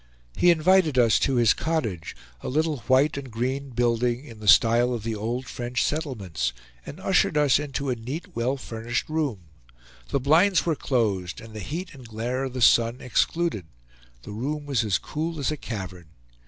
He invited us to his cottage, a little white and green building, in the style of the old French settlements; and ushered us into a neat, well furnished room. The blinds were closed, and the heat and glare of the sun excluded; the room was as cool as a cavern.